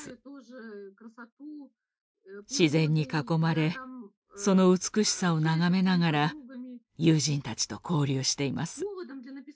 自然に囲まれその美しさを眺めながら友人たちと交流しています。